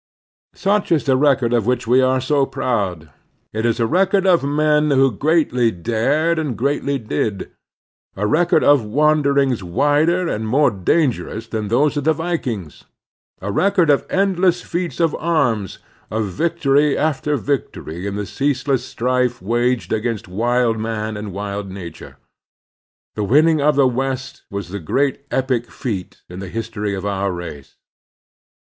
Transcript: Such is the record of which we are so proud. It is a record of men who greatly dared and greatly did; a record of wanderings wider and more dangerous than those of the Vikings; a record of endless feats of arms, of victory after victory in the ceaseless strife waged against wild man and wild nature. The winning of the West was the great epic feat in the history of our race.